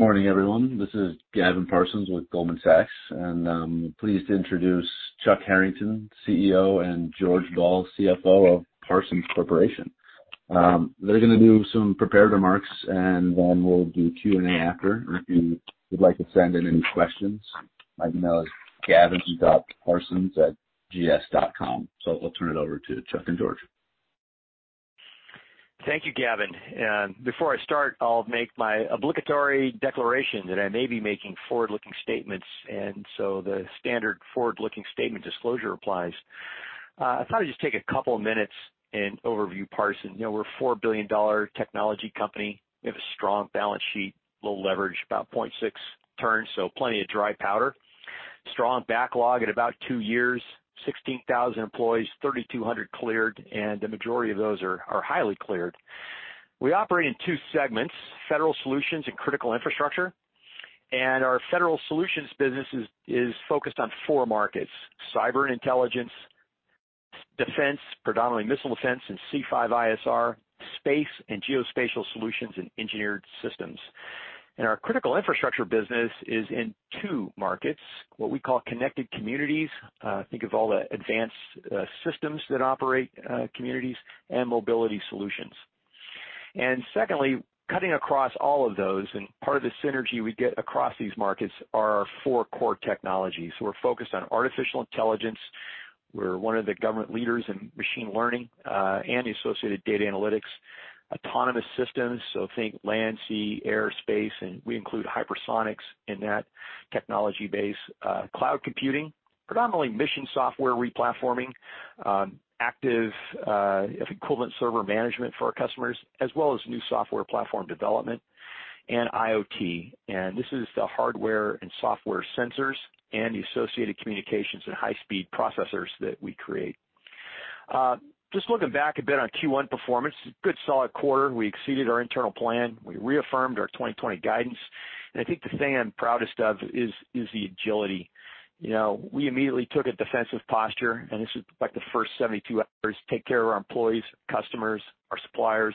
Morning, everyone. This is Gavin Parsons with Goldman Sachs, and I'm pleased to introduce Chuck Harrington, CEO, and George Ball, CFO of Parsons Corporation. They're going to do some prepared remarks, and then we'll do Q&A after. If you would like to send in any questions, my email is gavin.parsons@gs.com. I'll turn it over to Chuck and George. Thank you, Gavin. Before I start, I'll make my obligatory declaration that I may be making forward-looking statements. The standard forward-looking statement disclosure applies. I thought I'd just take a couple of minutes and overview Parsons. We're a $4 billion technology company. We have a strong balance sheet, low leverage, about 0.6 turns, so plenty of dry powder. Strong backlog at about two years, 16,000 employees, 3,200 cleared. The majority of those are highly cleared. We operate in two segments, Federal Solutions and Critical Infrastructure. Our Federal Solutions business is focused on four markets: cyber intelligence, defense, predominantly missile defense and C5ISR, space and geospatial solutions, and engineered systems. Our Critical Infrastructure business is in two markets, what we call connected communities, think of all the advanced systems that operate communities, and mobility solutions. Secondly, cutting across all of those, and part of the synergy we get across these markets, are our four core technologies. We're focused on artificial intelligence. We're one of the government leaders in machine learning, and the associated data analytics. Autonomous systems, think land, sea, air, space, and we include hypersonics in that technology base. Cloud computing, predominantly mission software replatforming, active equivalent server management for our customers, as well as new software platform development, and IoT. This is the hardware and software sensors and the associated communications and high-speed processors that we create. Just looking back a bit on Q1 performance, good solid quarter. We exceeded our internal plan. We reaffirmed our 2020 guidance. I think the thing I'm proudest of is the agility. We immediately took a defensive posture, and this was the first 72 hours, take care of our employees, customers, our suppliers.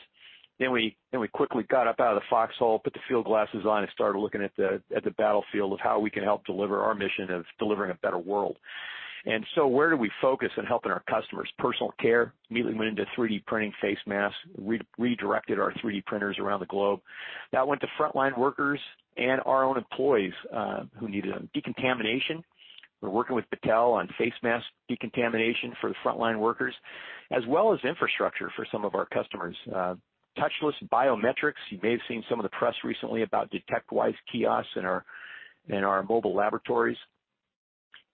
We quickly got up out of the foxhole, put the field glasses on, and started looking at the battlefield of how we can help deliver our mission of delivering a better world. Where do we focus in helping our customers? Parsons immediately went into 3D printing face masks. Redirected our 3D printers around the globe. That went to frontline workers and our own employees who needed decontamination. We're working with Battelle on face mask decontamination for the frontline workers, as well as infrastructure for some of our customers. Touchless biometrics. You may have seen some of the press recently about DetectWise kiosks in our mobile laboratories.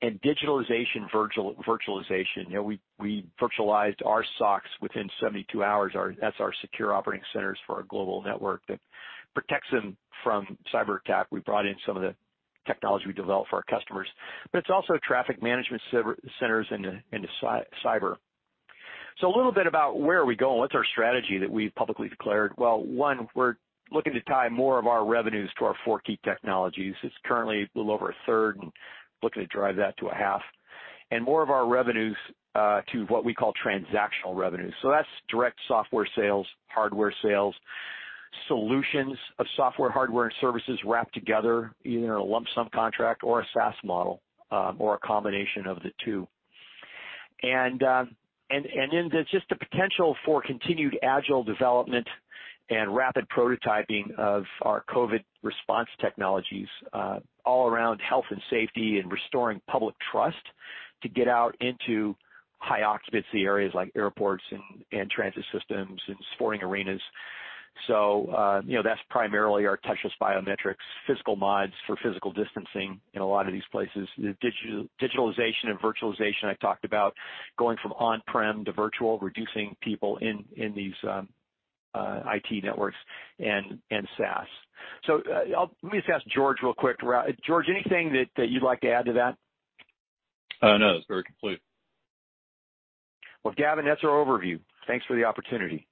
Digitalization virtualization. We virtualized our SOCs within 72 hours. That's our secure operating centers for our global network that protects them from cyberattack. We brought in some of the technology we developed for our customers. It's also traffic management centers into cyber. A little bit about where we go and what's our strategy that we've publicly declared. One, we're looking to tie more of our revenues to our four key technologies. It's currently a little over a third, and looking to drive that to a half. More of our revenues to what we call transactional revenues. That's direct software sales, hardware sales, solutions of software, hardware, and services wrapped together, either in a lump sum contract or a SaaS model, or a combination of the two. There's just the potential for continued agile development and rapid prototyping of our COVID response technologies, all around health and safety and restoring public trust to get out into high occupancy areas like airports and transit systems and sporting arenas. That's primarily our touchless biometrics, physical mods for physical distancing in a lot of these places. The digitalization and virtualization I talked about, going from on-prem to virtual, reducing people in these IT networks and SaaS. Let me just ask George real quick. George, anything that you'd like to add to that? No, that's very complete. Well, Gavin, that's our overview. Thanks for the opportunity.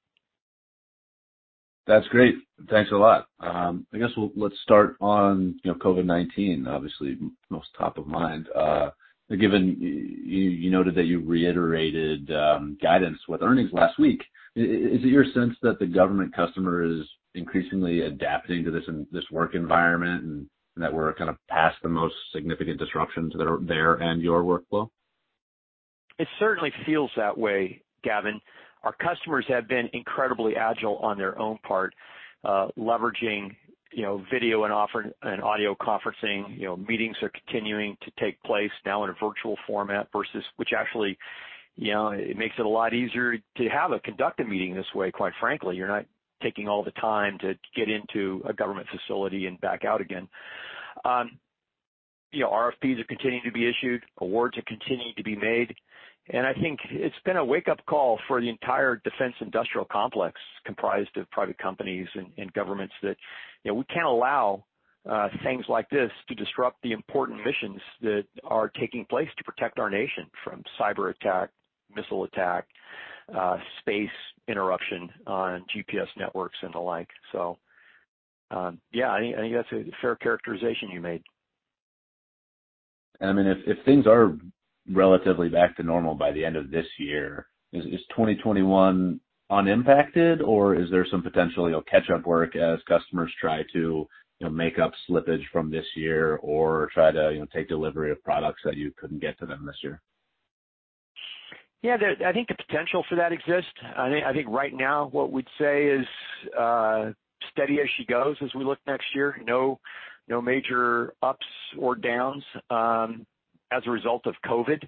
That's great. Thanks a lot. I guess we'll start on COVID-19, obviously most top of mind, given you noted that you reiterated guidance with earnings last week. Is it your sense that the government customer is increasingly adapting to this work environment and that we're kind of past the most significant disruptions that are there and your workflow? It certainly feels that way, Gavin. Our customers have been incredibly agile on their own part, leveraging video and audio conferencing. Meetings are continuing to take place now in a virtual format, which actually, it makes it a lot easier to have or conduct a meeting this way, quite frankly. You're not taking all the time to get into a government facility and back out again. RFPs are continuing to be issued, awards are continuing to be made, and I think it's been a wake-up call for the entire defense industrial complex, comprised of private companies and governments, that we can't allow things like this to disrupt the important missions that are taking place to protect our nation from cyber attack, missile attack, space interruption on GPS networks, and the like. Yeah, I think that's a fair characterization you made. If things are relatively back to normal by the end of this year, is 2021 unimpacted, or is there some potential catch-up work as customers try to make up slippage from this year or try to take delivery of products that you couldn't get to them this year? Yeah, I think the potential for that exists. I think right now what we'd say is steady as she goes as we look next year. No major ups or downs as a result of COVID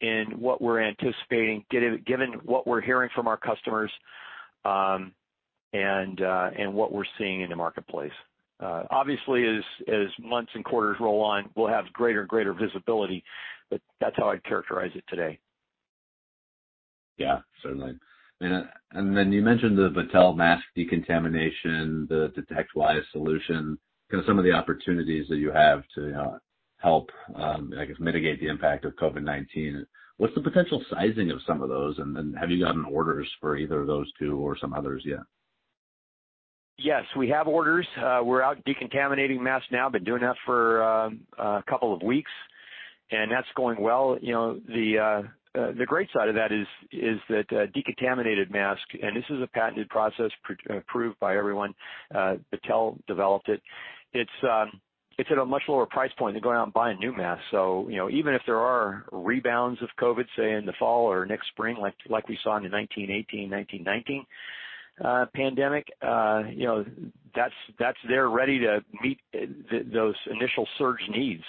in what we're anticipating, given what we're hearing from our customers, and what we're seeing in the marketplace. Obviously, as months and quarters roll on, we'll have greater and greater visibility, but that's how I'd characterize it today. Yeah, certainly. You mentioned the Battelle mask decontamination, the DetectWise solution, kind of some of the opportunities that you have to help, I guess, mitigate the impact of COVID-19. What's the potential sizing of some of those, and then have you gotten orders for either of those two or some others yet? Yes, we have orders. We're out decontaminating masks now. Been doing that for a couple of weeks, and that's going well. The great side of that is that decontaminated mask, and this is a patented process approved by everyone. Battelle developed it. It's at a much lower price point than going out and buying a new mask. Even if there are rebounds of COVID, say, in the fall or next spring like we saw in the 1918, 1919 pandemic, that's there ready to meet those initial surge needs.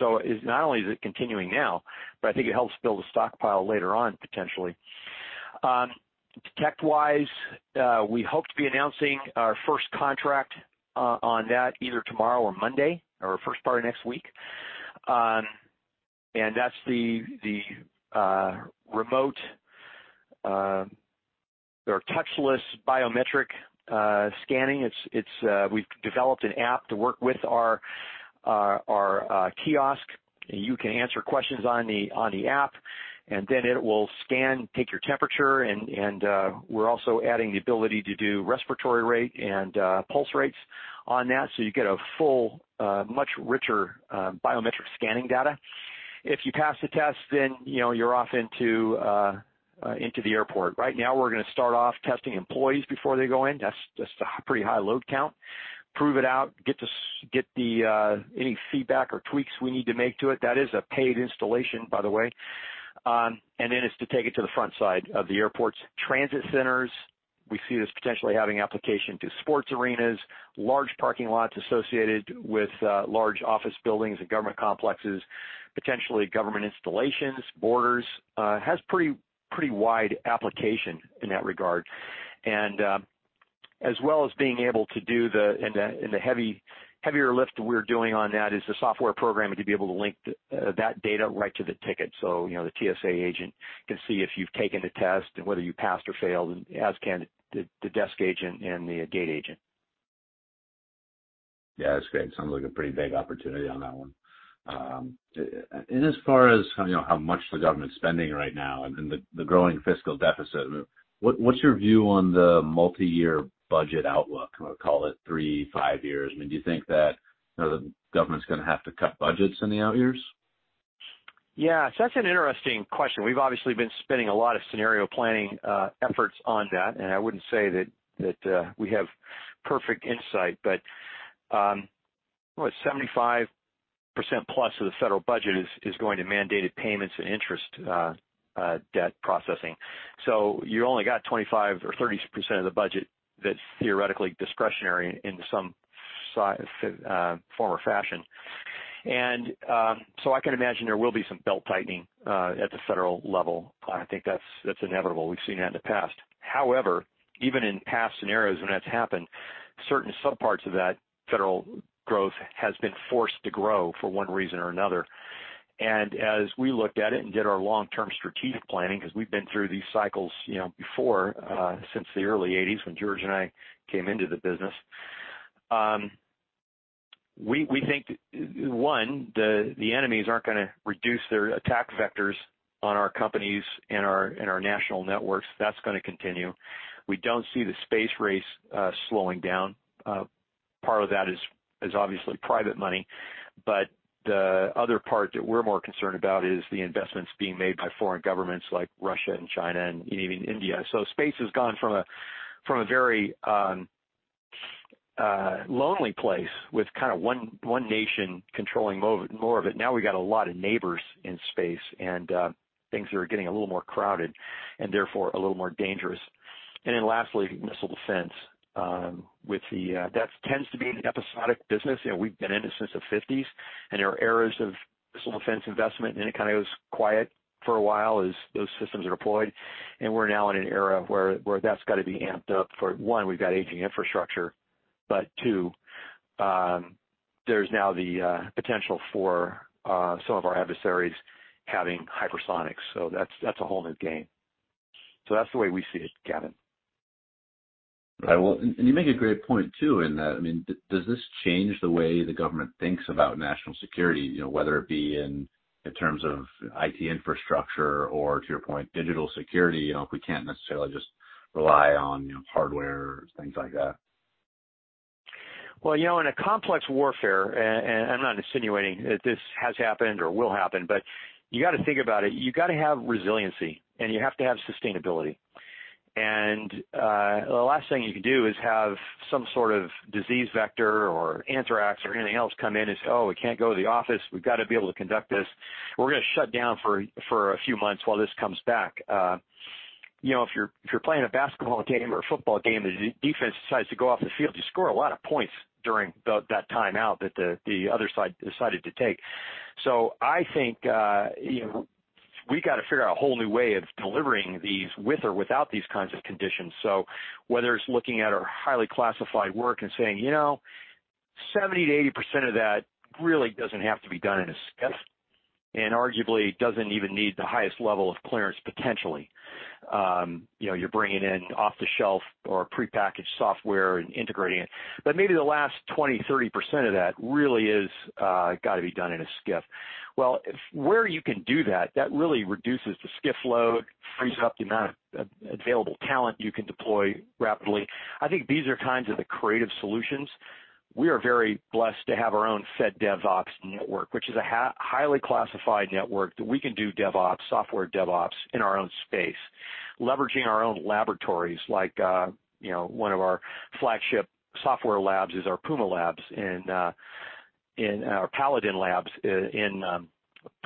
Not only is it continuing now, but I think it helps build a stockpile later on, potentially. DetectWise, we hope to be announcing our first contract on that either tomorrow or Monday, or first part of next week. That's the remote, or touchless biometric scanning. We've developed an app to work with our kiosk. You can answer questions on the app, and then it will scan, take your temperature, and we're also adding the ability to do respiratory rate and pulse rates on that, so you get a full, much richer biometric scanning data. If you pass the test, then you're off into the airport. Right now, we're going to start off testing employees before they go in. That's a pretty high load count. Prove it out, get any feedback or tweaks we need to make to it. That is a paid installation, by the way. Then it's to take it to the front side of the airports. Transit centers, we see this potentially having application to sports arenas, large parking lots associated with large office buildings and government complexes, potentially government installations, borders. It has pretty wide application in that regard. As well as being able to do the heavier lift we're doing on that is the software programming to be able to link that data right to the ticket so the TSA agent can see if you've taken the test and whether you passed or failed, as can the desk agent and the gate agent. Yeah, that's great. Sounds like a pretty big opportunity on that one. In as far as how much the government's spending right now and the growing fiscal deficit, what's your view on the multi-year budget outlook? Call it three, five years. Do you think that the government's going to have to cut budgets in the out years? Yeah. That's an interesting question. We've obviously been spending a lot of scenario-planning efforts on that, and I wouldn't say that we have perfect insight, but 75%+ of the federal budget is going to mandated payments and interest debt processing. You only got 25% or 30% of the budget that's theoretically discretionary in some form or fashion. I can imagine there will be some belt-tightening at the federal level. I think that's inevitable. We've seen that in the past. However, even in past scenarios when that's happened, certain subparts of that federal growth has been forced to grow for one reason or another. As we looked at it and did our long-term strategic planning, because we've been through these cycles before, since the early 1980s when George and I came into the business. We think, one, the enemies aren't going to reduce their attack vectors on our companies and our national networks. That's going to continue. We don't see the space race slowing down. Part of that is obviously private money, but the other part that we're more concerned about is the investments being made by foreign governments like Russia and China and even India. Space has gone from a very lonely place with kind of one nation controlling more of it. Now we've got a lot of neighbors in space, and things are getting a little more crowded and therefore a little more dangerous. Lastly, missile defense. That tends to be an episodic business. We've been in it since the '50s, and there are eras of missile defense investment, then it kind of goes quiet for a while as those systems are deployed. We're now in an era where that's got to be amped up for, one, we've got aging infrastructure, but two, there's now the potential for some of our adversaries having hypersonics. That's a whole new game. That's the way we see it, Gavin. Right. Well, you make a great point, too, in that, does this change the way the government thinks about national security, whether it be in terms of IT infrastructure or, to your point, digital security, if we can't necessarily just rely on hardware, things like that. Well, in a complex warfare, and I'm not insinuating that this has happened or will happen, but you've got to think about it. You've got to have resiliency, and you have to have sustainability. The last thing you can do is have some sort of disease vector or anthrax or anything else come in and say, "Oh, we can't go to the office. We've got to be able to conduct this. We're going to shut down for a few months while this comes back." If you're playing a basketball game or a football game and the defense decides to go off the field, you score a lot of points during that time out that the other side decided to take. I think we've got to figure out a whole new way of delivering these with or without these kinds of conditions. Whether it's looking at our highly classified work and saying, "70% to 80% of that really doesn't have to be done in a SCIF, and arguably doesn't even need the highest level of clearance, potentially." You're bringing in off-the-shelf or prepackaged software and integrating it. Maybe the last 20%, 30% of that really has got to be done in a SCIF. Where you can do that really reduces the SCIF load, frees up the amount of available talent you can deploy rapidly. I think these are times of the creative solutions. We are very blessed to have our own Fed DevOps network, which is a highly classified network that we can do DevOps, software DevOps, in our own space, leveraging our own laboratories like one of our flagship software labs is our PUMA Labs and our PALADIN Lab.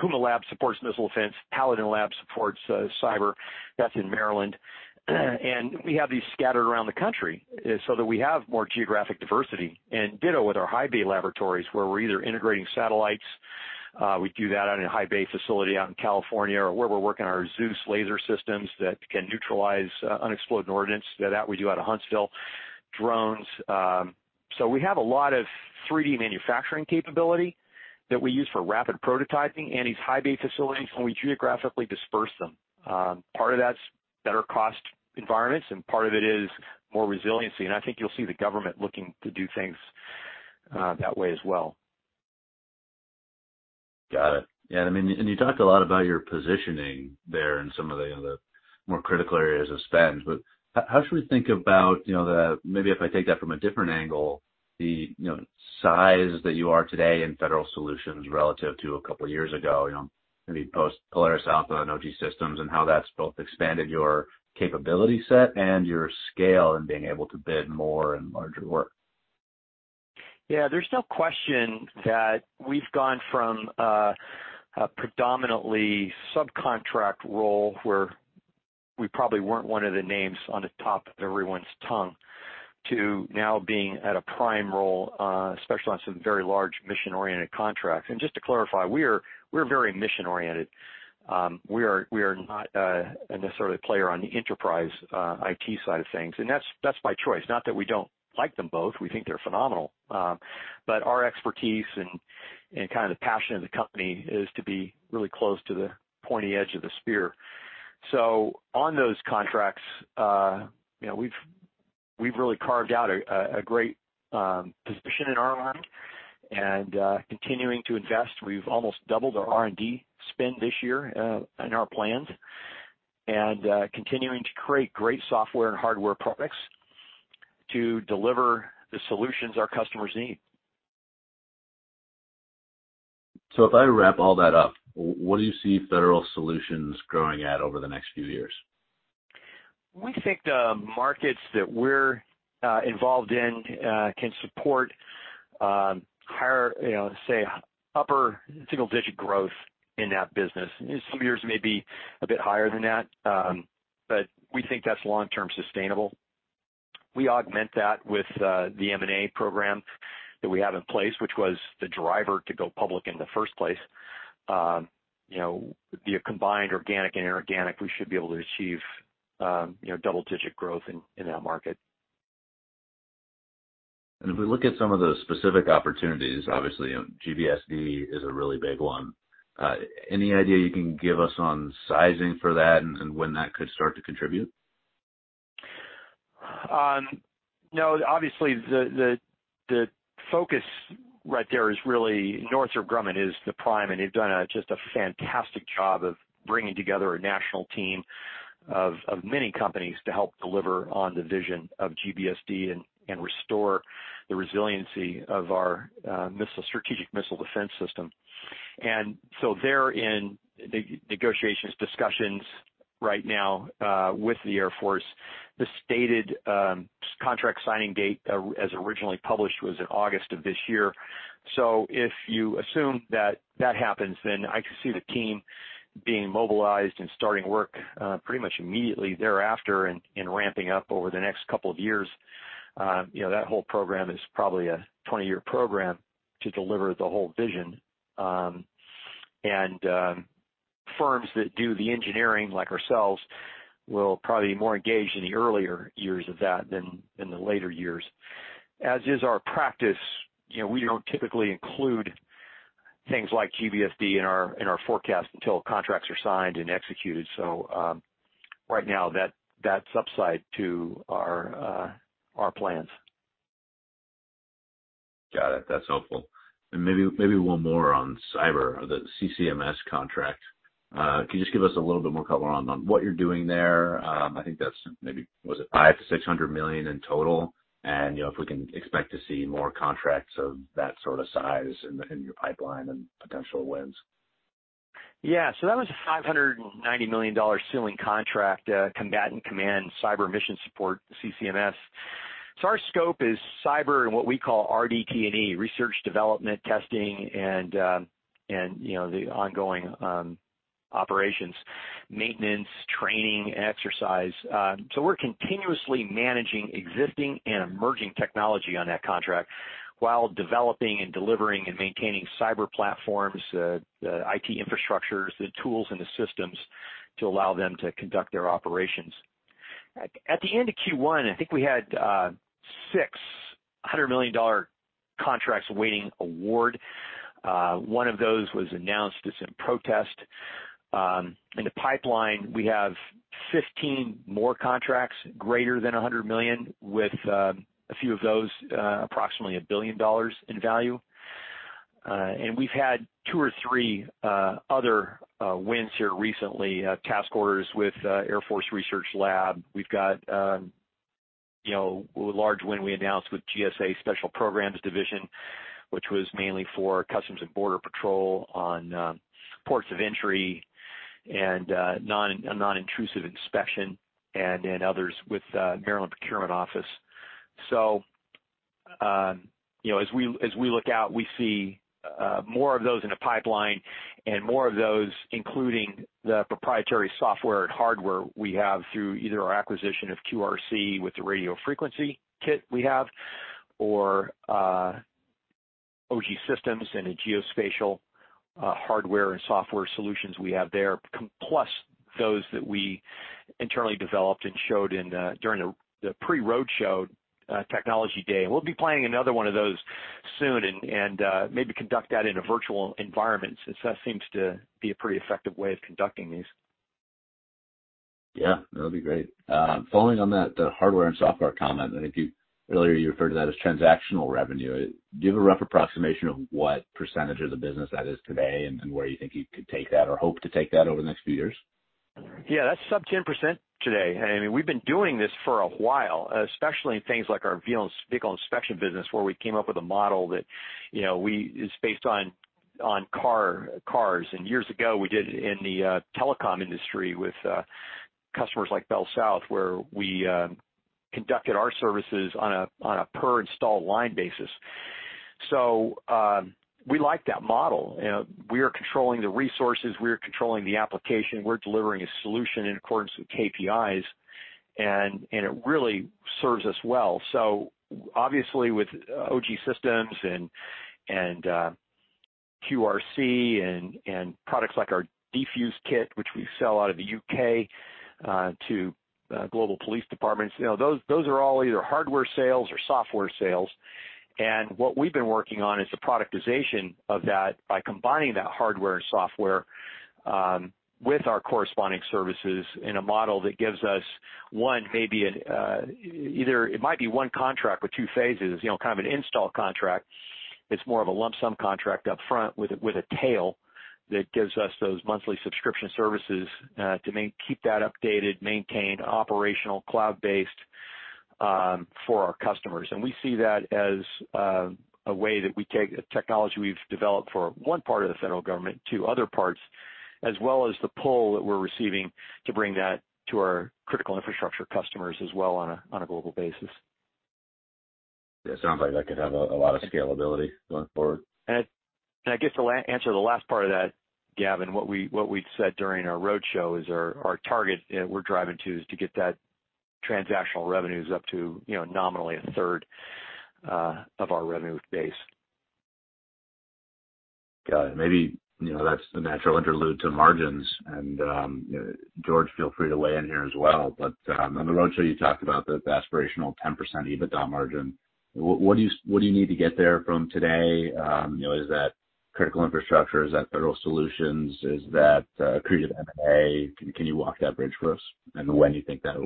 PUMA Labs supports missile defense. PALADIN Lab supports cyber. That's in Maryland. We have these scattered around the country so that we have more geographic diversity. Ditto with our high bay laboratories, where we're either integrating satellites. We do that out in a high bay facility out in California, or where we're working on our ZEUS laser systems that can neutralize unexploded ordnance. That we do out of Huntsville. Drones. We have a lot of 3D manufacturing capability that we use for rapid prototyping and these high bay facilities, and we geographically disperse them. Part of that's better cost environments, and part of it is more resiliency. I think you'll see the government looking to do things that way as well. Got it. Yeah, you talked a lot about your positioning there in some of the other more critical areas of spend. How should we think about, maybe if I take that from a different angle, the size that you are today in federal solutions relative to a couple of years ago, maybe post Polaris Alpha and OGSystems, and how that's both expanded your capability set and your scale in being able to bid more and larger work? Yeah. There's no question that we've gone from a predominantly subcontract role where we probably weren't one of the names on the top of everyone's tongue to now being at a prime role, especially on some very large mission-oriented contracts. Just to clarify, we're very mission-oriented. We are not necessarily a player on the enterprise IT side of things, and that's by choice. Not that we don't like them both. We think they're phenomenal. Our expertise and kind of the passion of the company is to be really close to the pointy edge of the spear. On those contracts, we've really carved out a great position in our mind and continuing to invest. We've almost doubled our R&D spend this year in our plans, and continuing to create great software and hardware products to deliver the solutions our customers need. If I wrap all that up, where do you see Federal Solutions growing at over the next few years? We think the markets that we're involved in can support higher, say, upper single-digit growth in that business. In some years, it may be a bit higher than that. We think that's long-term sustainable. We augment that with the M&A program that we have in place, which was the driver to go public in the first place. Via combined organic and inorganic, we should be able to achieve double-digit growth in that market. If we look at some of those specific opportunities, obviously GBSD is a really big one. Any idea you can give us on sizing for that and when that could start to contribute? No. Obviously, the focus right there is really Northrop Grumman is the prime, and they've done just a fantastic job of bringing together a national team of many companies to help deliver on the vision of GBSD and restore the resiliency of our strategic missile defense system. They're in negotiations, discussions right now with the Air Force. The stated contract signing date as originally published was in August of this year. If you assume that that happens, then I could see the team being mobilized and starting work pretty much immediately thereafter and ramping up over the next couple of years. That whole program is probably a 20-year program to deliver the whole vision. Firms that do the engineering, like ourselves, will probably be more engaged in the earlier years of that than in the later years. As is our practice, we don't typically include things like GBSD in our forecast until contracts are signed and executed. Right now, that's upside to our plans. Got it. That's helpful. Maybe one more on cyber or the CCMS contract. Can you just give us a little bit more color on what you're doing there? I think that's maybe, was it $500 million-$600 million in total? If we can expect to see more contracts of that sort of size in your pipeline and potential wins. Yeah. That was a $590 million ceiling contract, Combatant Commands Cyber Mission Support, CCMS. Our scope is cyber and what we call RDT&E, research development, testing, and the ongoing operations, maintenance, training, and exercise. We're continuously managing existing and emerging technology on that contract while developing and delivering and maintaining cyber platforms, the IT infrastructures, the tools and the systems to allow them to conduct their operations. At the end of Q1, I think we had six $100 million contracts awaiting award. One of those was announced. It's in protest. In the pipeline, we have 15 more contracts greater than $100 million with a few of those approximately $1 billion in value. We've had two or three other wins here recently, task orders with Air Force Research Laboratory. We've got a large win we announced with GSA Special Programs Division, which was mainly for U.S. Customs and Border Protection on ports of entry and non-intrusive inspection and others with Maryland Procurement Office. As we look out, we see more of those in the pipeline and more of those, including the proprietary software and hardware we have through either our acquisition of QRC with the radio frequency kit we have, or OGSystems and the geospatial hardware and software solutions we have there, plus those that we internally developed and showed during the pre-road show technology day. We'll be playing another one of those soon and maybe conduct that in a virtual environment since that seems to be a pretty effective way of conducting these. Yeah, that'll be great. Following on that, the hardware and software comment, I think earlier you referred to that as transactional revenue. Do you have a rough approximation of what percentage of the business that is today and where you think you could take that or hope to take that over the next few years? Yeah, that's sub 10% today. I mean, we've been doing this for a while, especially in things like our vehicle inspection business, where we came up with a model that is based on cars. Years ago, we did it in the telecom industry with customers like BellSouth, where we conducted our services on a per installed line basis. We like that model. We are controlling the resources, we are controlling the application, we're delivering a solution in accordance with KPIs, and it really serves us well. Obviously with OGSystems and QRC and products like our DFUSE kit, which we sell out of the U.K. to global police departments, those are all either hardware sales or software sales. What we've been working on is the productization of that by combining that hardware and software with our corresponding services in a model that gives us one contract with 2 phases, kind of an install contract. It's more of a lump sum contract up front with a tail that gives us those monthly subscription services to keep that updated, maintained, operational, cloud-based for our customers. We see that as a way that we take technology we've developed for one part of the federal government to other parts, as well as the pull that we're receiving to bring that to our critical infrastructure customers as well on a global basis. Yeah, it sounds like that could have a lot of scalability going forward. I guess to answer the last part of that, Gavin, what we'd said during our roadshow is our target we're driving to is to get that transactional revenues up to nominally a third of our revenue base. Got it. Maybe that's the natural interlude to margins. George, feel free to weigh in here as well. On the roadshow, you talked about the aspirational 10% EBITDA margin. What do you need to get there from today? Is that critical infrastructure? Is that federal solutions? Is that accretive M&A? Can you walk that bridge for us? When do you think that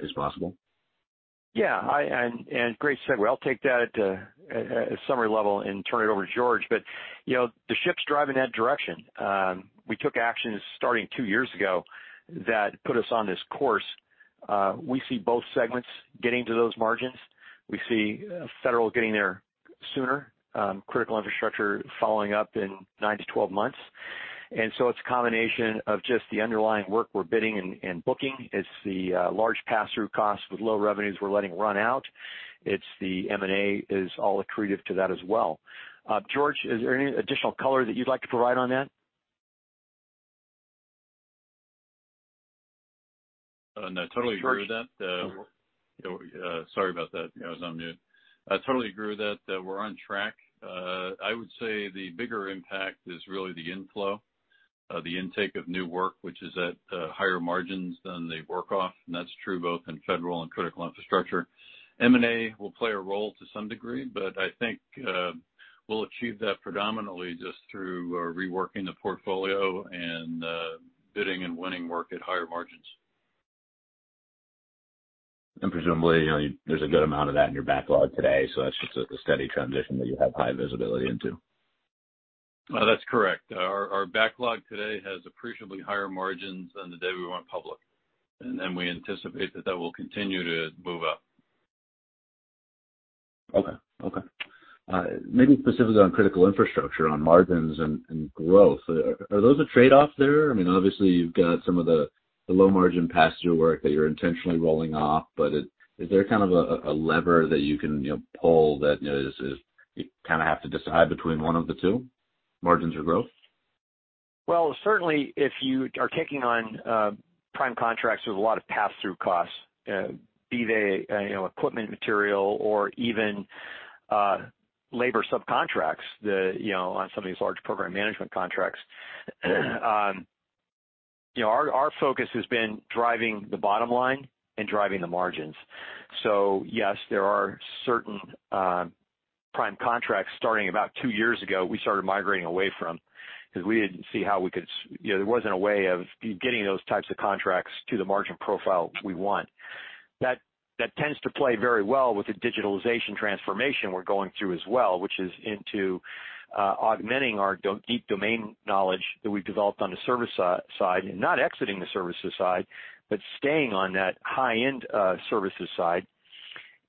is possible? Yeah. Grace said we'll take that at a summary level and turn it over to George. The ship's driving that direction. We took actions starting two years ago that put us on this course. We see both segments getting to those margins. We see federal getting there sooner, critical infrastructure following up in 9-12 months. It's a combination of just the underlying work we're bidding and booking. It's the large pass-through costs with low revenues we're letting run out. It's the M&A is all accretive to that as well. George, is there any additional color that you'd like to provide on that? No, totally agree with that. George. Sorry about that. I was on mute. I totally agree with that we're on track. I would say the bigger impact is really the inflow, the intake of new work, which is at higher margins than the work off, and that's true both in federal and critical infrastructure. M&A will play a role to some degree, but I think we'll achieve that predominantly just through reworking the portfolio and bidding and winning work at higher margins. Presumably, there's a good amount of that in your backlog today, so that's just a steady transition that you have high visibility into. That's correct. Our backlog today has appreciably higher margins than the day we went public, and we anticipate that that will continue to move up. Okay. Maybe specifically on critical infrastructure, on margins and growth, are those a trade-off there? Obviously you've got some of the low-margin pass-through work that you're intentionally rolling off, but is there kind of a lever that you can pull that you kind of have to decide between one of the two, margins or growth? Certainly if you are taking on prime contracts with a lot of pass-through costs, be they equipment material or even labor subcontracts on some of these large program management contracts. Our focus has been driving the bottom line and driving the margins. Yes, there are certain prime contracts, starting about two years ago, we started migrating away from, because there wasn't a way of getting those types of contracts to the margin profile we want. That tends to play very well with the digitalization transformation we're going through as well, which is into augmenting our deep domain knowledge that we've developed on the services side. Not exiting the services side, but staying on that high-end services side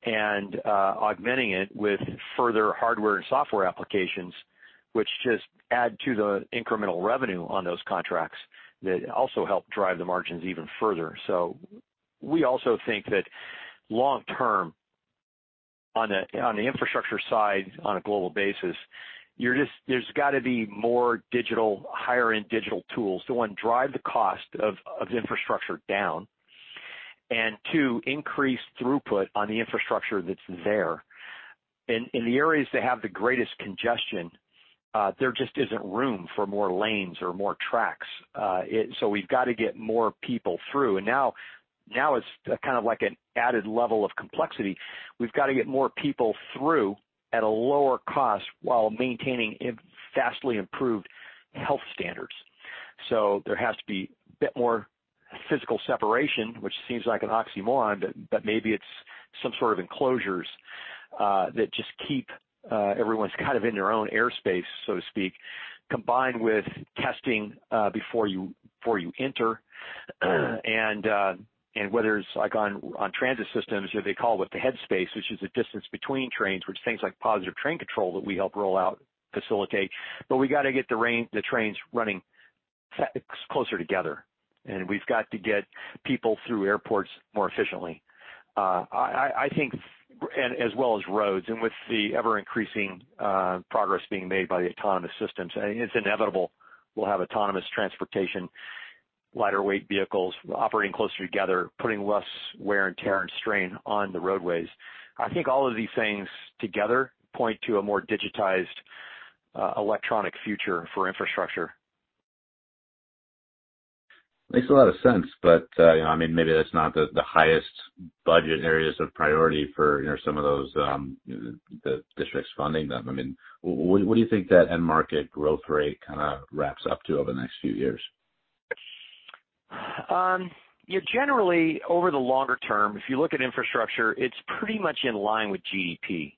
and augmenting it with further hardware and software applications, which just add to the incremental revenue on those contracts that also help drive the margins even further. We also think that long term, on the infrastructure side, on a global basis, there's got to be more higher-end digital tools to, one, drive the cost of infrastructure down, and two, increase throughput on the infrastructure that's there. In the areas that have the greatest congestion, there just isn't room for more lanes or more tracks. We've got to get more people through. Now it's kind of like an added level of complexity. We've got to get more people through at a lower cost while maintaining vastly improved health standards. There has to be a bit more physical separation, which seems like an oxymoron, but maybe it's some sort of enclosures that just keep everyone kind of in their own airspace, so to speak, combined with testing before you enter. Whether it's on transit systems, what they call the headspace, which is the distance between trains, which things like Positive Train Control that we help roll out facilitate. We got to get the trains running closer together, and we've got to get people through airports more efficiently, as well as roads, and with the ever-increasing progress being made by the autonomous systems. It's inevitable we'll have autonomous transportation, lighter-weight vehicles operating closer together, putting less wear and tear and strain on the roadways. I think all of these things together point to a more digitized electronic future for infrastructure. Makes a lot of sense. Maybe that's not the highest budget areas of priority for some of those districts funding them. What do you think that end market growth rate kind of ramps up to over the next few years? Generally, over the longer term, if you look at infrastructure, it's pretty much in line with GDP.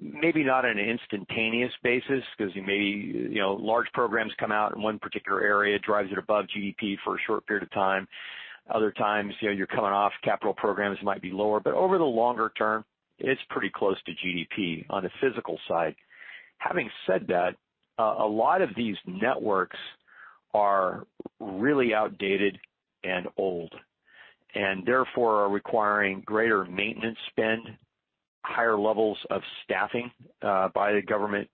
Maybe not on an instantaneous basis, because large programs come out in one particular area, drives it above GDP for a short period of time. Other times, you're coming off capital programs might be lower. Over the longer term, it's pretty close to GDP on the physical side. Having said that, a lot of these networks are really outdated and old, and therefore are requiring greater maintenance spend, higher levels of staffing by the government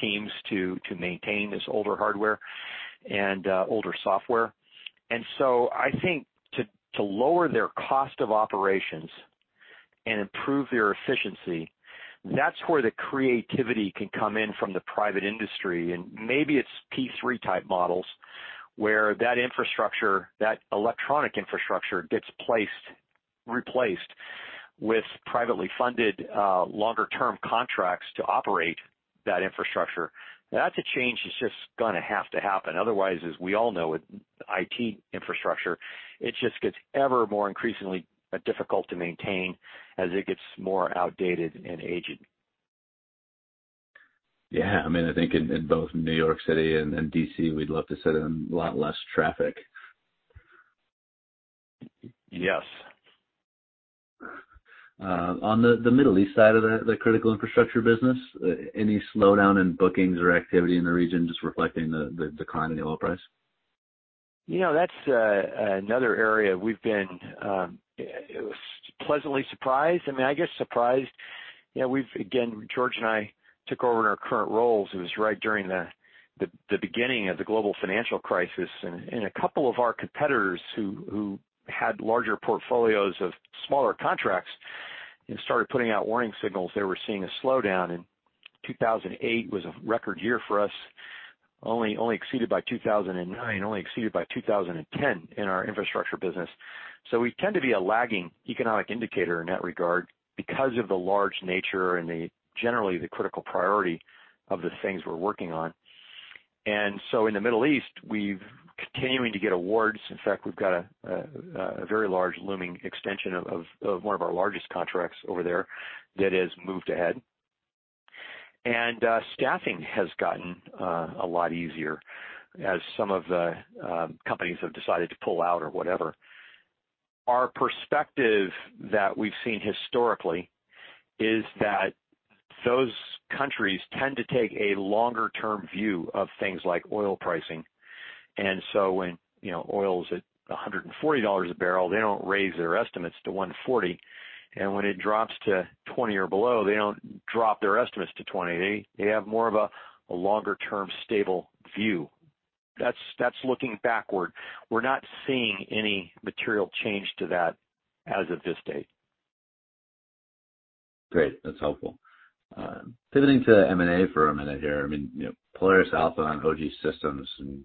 teams to maintain this older hardware and older software. I think to lower their cost of operations and improve their efficiency, that's where the creativity can come in from the private industry. Maybe it's P3-type models, where that electronic infrastructure gets replaced with privately funded longer-term contracts to operate that infrastructure. That's a change that's just going to have to happen. Otherwise, as we all know, with IT infrastructure, it just gets ever more increasingly difficult to maintain as it gets more outdated and aged. Yeah. I think in both New York City and D.C., we'd love to sit in a lot less traffic. Yes. On the Middle East side of the critical infrastructure business, any slowdown in bookings or activity in the region just reflecting the decline in the oil price? That's another area we've been pleasantly surprised. George and I took over in our current roles, it was right during the beginning of the global financial crisis. A couple of our competitors who had larger portfolios of smaller contracts started putting out warning signals they were seeing a slowdown. 2008 was a record year for us, only exceeded by 2009, only exceeded by 2010 in our infrastructure business. We tend to be a lagging economic indicator in that regard because of the large nature and generally the critical priority of the things we're working on. In the Middle East, we've continuing to get awards. In fact, we've got a very large looming extension of one of our largest contracts over there that has moved ahead. Staffing has gotten a lot easier as some of the companies have decided to pull out or whatever. Our perspective that we've seen historically is that those countries tend to take a longer-term view of things like oil pricing. When oil is at $140 a barrel, they don't raise their estimates to $140. When it drops to $20 or below, they don't drop their estimates to $20. They have more of a longer-term stable view. That's looking backward. We're not seeing any material change to that as of this date. Great. That's helpful. Pivoting to M&A for a minute here. Polaris Alpha and OGSystems and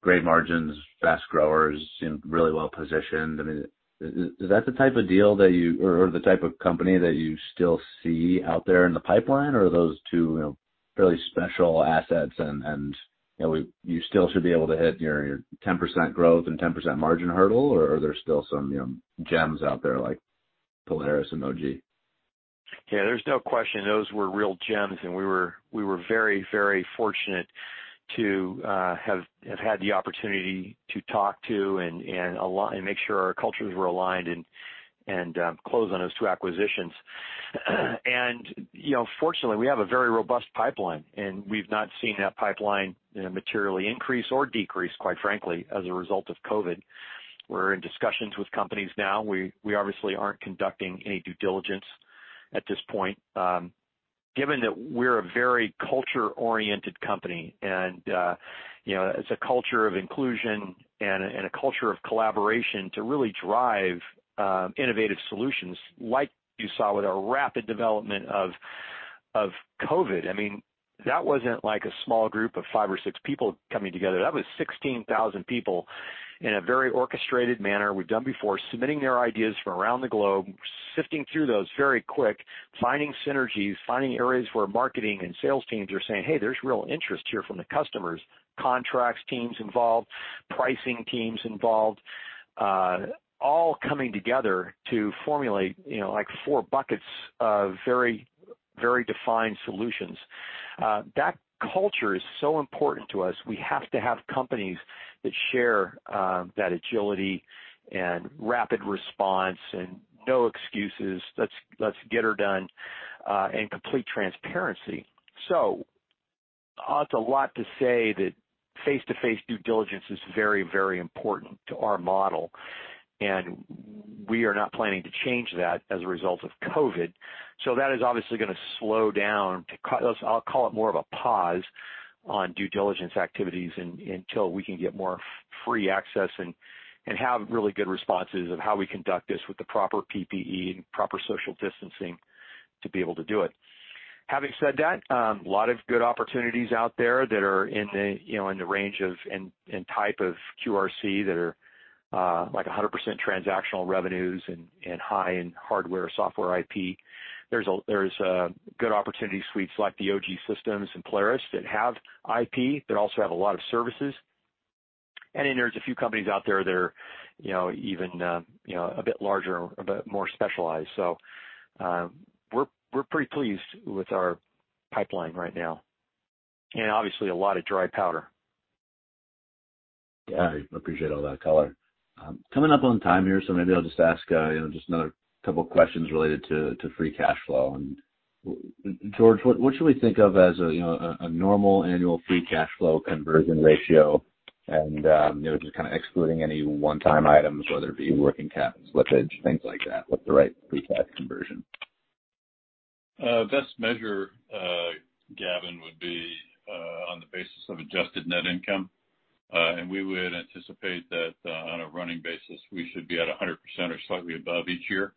great margins, fast growers, really well-positioned. Is that the type of deal or the type of company that you still see out there in the pipeline, or are those two fairly special assets, and you still should be able to hit your 10% growth and 10% margin hurdle or are there still some gems out there like Polaris and OG? Yeah, there's no question those were real gems, and we were very fortunate to have had the opportunity to talk to and make sure our cultures were aligned and close on those two acquisitions. Fortunately, we have a very robust pipeline, and we've not seen that pipeline materially increase or decrease, quite frankly, as a result of COVID. We're in discussions with companies now. We obviously aren't conducting any due diligence at this point. Given that we're a very culture-oriented company, and it's a culture of inclusion and a culture of collaboration to really drive innovative solutions like you saw with our rapid development of COVID. That wasn't like a small group of five or six people coming together. That was 16,000 people in a very orchestrated manner we've done before, submitting their ideas from around the globe, sifting through those very quick, finding synergies, finding areas where marketing and sales teams are saying, "Hey, there's real interest here from the customers." Contracts teams involved, pricing teams involved, all coming together to formulate four buckets of very defined solutions. That culture is so important to us. We have to have companies that share that agility and rapid response and no excuses, let's get her done, and complete transparency. It's a lot to say that face-to-face due diligence is very important to our model, and we are not planning to change that as a result of COVID. That is obviously going to slow down to, I'll call it more of a pause on due diligence activities until we can get more free access and have really good responses of how we conduct this with the proper PPE and proper social distancing to be able to do it. Having said that, a lot of good opportunities out there that are in the range of and type of QRC that are 100% transactional revenues and high in hardware, software IP. There's good opportunity suites like the OGSystems and Polaris that have IP, that also have a lot of services. There's a few companies out there that are even a bit larger, a bit more specialized. We're pretty pleased with our pipeline right now. Obviously a lot of dry powder. Yeah, I appreciate all that color. Coming up on time here, so maybe I'll just ask just another couple questions related to free cash flow. George, what should we think of as a normal annual free cash flow conversion ratio and just kind of excluding any one-time items, whether it be working capital slippage, things like that. What's the right free cash conversion? Best measure, Gavin, would be on the basis of adjusted net income. We would anticipate that on a running basis, we should be at 100% or slightly above each year.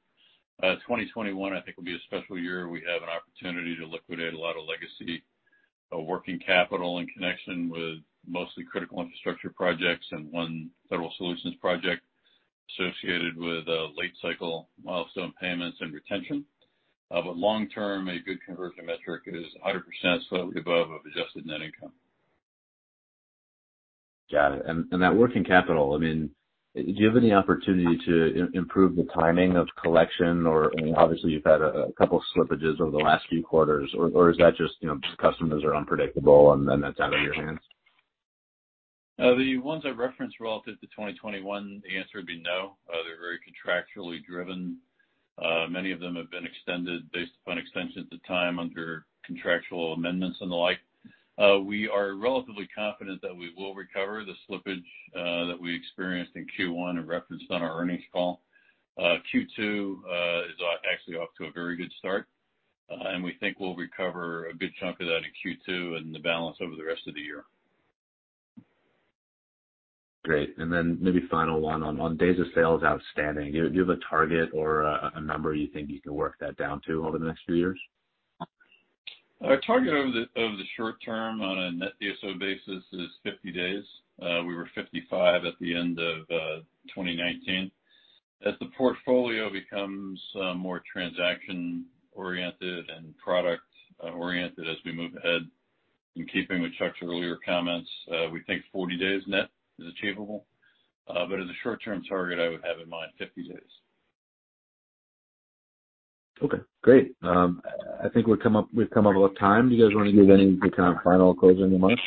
2021, I think, will be a special year. We have an opportunity to liquidate a lot of legacy working capital in connection with mostly critical infrastructure projects and one federal solutions project associated with late cycle milestone payments and retention. Long term, a good conversion metric is 100% slightly above of adjusted net income. Got it. That working capital, do you have any opportunity to improve the timing of collection, or obviously you've had a couple slippages over the last few quarters, or is that just customers are unpredictable and then that's out of your hands? The ones I referenced relative to 2021, the answer would be no. They're very contractually driven. Many of them have been extended based upon extensions of time under contractual amendments and the like. We are relatively confident that we will recover the slippage that we experienced in Q1 and referenced on our earnings call. Q2 is actually off to a very good start. We think we'll recover a good chunk of that in Q2 and the balance over the rest of the year. Great. Maybe final one on days of sales outstanding, do you have a target or a number you think you can work that down to over the next few years? Our target over the short term on a net DSO basis is 50 days. We were 55 at the end of 2019. As the portfolio becomes more transaction-oriented and product-oriented as we move ahead, in keeping with Chuck's earlier comments, we think 40 days net is achievable. As a short-term target, I would have in mind 50 days. Okay, great. I think we've come up with time. Do you guys want to give any kind of final closing remarks?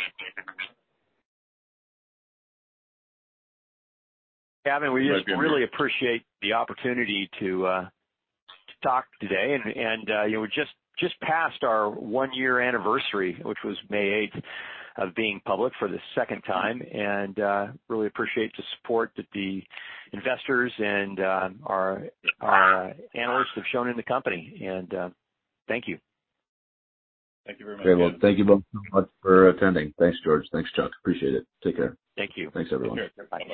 Gavin, we just really appreciate the opportunity to talk today. We just passed our one-year anniversary, which was May 8th, of being public for the second time, and really appreciate the support that the investors and our analysts have shown in the company. Thank you. Thank you very much. Very well. Thank you both so much for attending. Thanks, George. Thanks, Chuck. Appreciate it. Take care. Thank you. Thanks, everyone. Take care. Bye